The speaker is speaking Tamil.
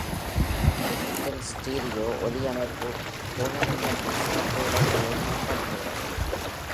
டிஜிட்டல் ஸ்டீரியோ ஒலி அமைப்பு கோளரங்கத்தின் சிறப்பு விளைவுகளையும் மேம்படுத்துகிறது.